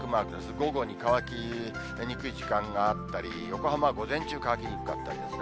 午後に乾きにくい時間があったり、横浜、午前中、乾きにくかったりですね。